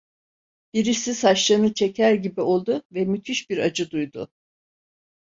Birisi saçlarını çeker gibi oldu ve müthiş bir acı duydu.